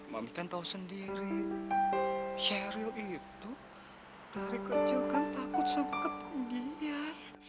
mami kan tau sendiri sheryl itu dari kecil kan takut sama kepenggian